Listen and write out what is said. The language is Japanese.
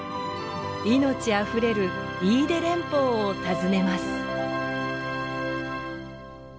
命あふれる飯豊連峰を訪ねます。